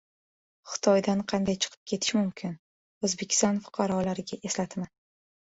Xitoydan qanday chiqib ketish mumkin? O‘zbekiston fuqarolariga eslatma